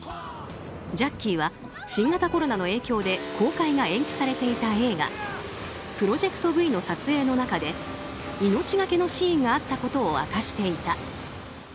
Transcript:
ジャッキーは新型コロナの影響で公開が延期されていた映画「プロジェクトＶ」の撮影の中で命がけのシーンがあったことを明かしていた。